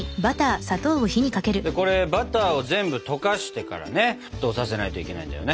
これバターを全部溶かしてからね沸騰させないといけないんだよね。